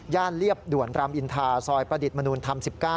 ย่านเลียบด่วนรำอินทาซอยประดิษฐ์มนุษย์ธรรม๑๙